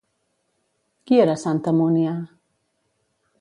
Qui era santa Múnia?